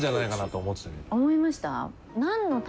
思いました？